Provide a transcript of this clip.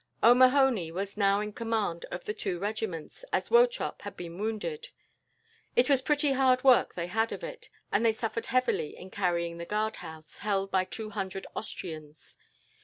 "O'Mahony was now in command of the two regiments, as Wauchop had been wounded. It was pretty hard work they had of it, and they suffered heavily in carrying the guardhouse, held by two hundred Austrians.